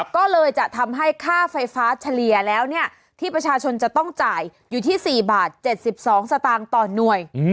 ก็เลยจะทำให้ค่าไฟฟ้าเฉลี่ยแล้วที่ประชาชนจะต้องจ่ายอยู่ที่๔บาท๗๒สตางค์ต่อหน่วย